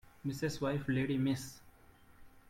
Mrs. wife lady Miss